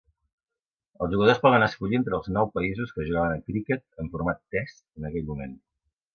Els jugadors poden escollir entre els nou països que jugaven a criquet en format Test en aquell moment.